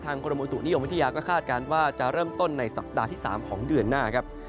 กรมอุตุนิยมวิทยาก็คาดการณ์ว่าจะเริ่มต้นในสัปดาห์ที่๓ของเดือนหน้าครับ